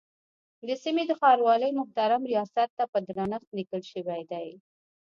د سیمې د ښاروالۍ محترم ریاست ته په درنښت لیکل شوی دی.